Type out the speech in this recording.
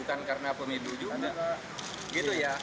bukan karena pemilu juga gitu ya